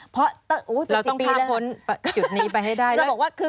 เราต้องผ้าผลจุดนี้ไปให้ได้